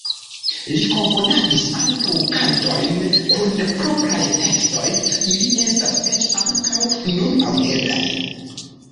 Li komponadis ankaŭ kantojn kun propraj tekstoj, ili estas eĉ ankaŭ nun aŭdeblaj.